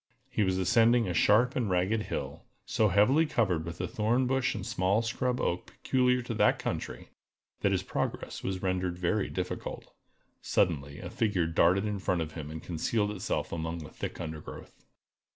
He was ascending a sharp and ragged hill, so heavily covered with the thorn bush and small scrub oak peculiar to that country, that his progress was rendered very difficult. Suddenly a figure darted in front of him and concealed itself among the thick undergrowth.